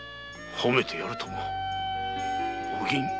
褒めてやるともお銀。